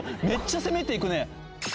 めっちゃ攻めていくね。